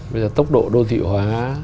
bây giờ tốc độ đô thị hóa